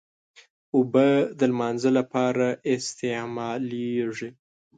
اوبه د لمانځه لپاره استعمالېږي.